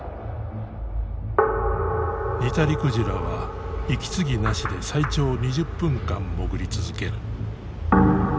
ニタリクジラは息継ぎなしで最長２０分間潜り続ける。